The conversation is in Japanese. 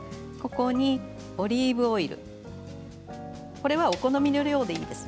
ここにオリーブオイルこれはお好みの量でいいです。